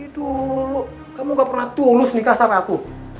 dulu kamu gak pernah tulus nikah sama aku